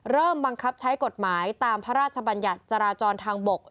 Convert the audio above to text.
บังคับใช้กฎหมายตามพระราชบัญญัติจราจรทางบก